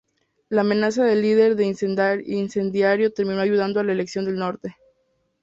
La amenaza del líder de incendiario terminó ayudando en la elección del nombre.